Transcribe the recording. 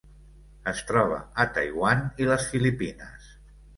Es troba a Taiwan i les Filipines.